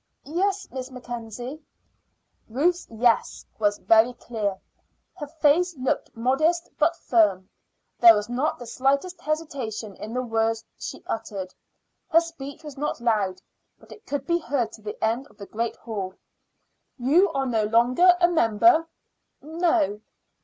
"Yes, Miss Mackenzie." Ruth's "Yes" was very clear; her face looked modest but firm. There was not the slightest hesitation in the words she uttered. Her speech was not loud, but it could be heard to the end of the great hall. "You are no longer a member?" "No."